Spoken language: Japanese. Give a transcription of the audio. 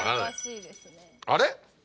あれ？